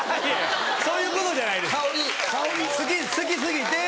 そういうことじゃないです好き過ぎて。